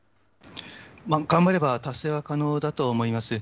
頑張れば達成は可能だと思います。